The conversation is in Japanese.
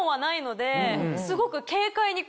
すごく。